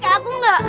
lihat kakek aku nggak